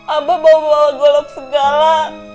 abah bawa bawa golok segala